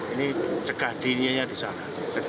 ini cegah dininya di sana